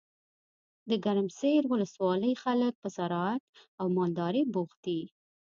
دګرمسیر ولسوالۍ خلګ په زراعت او مالدارۍ بوخت دي.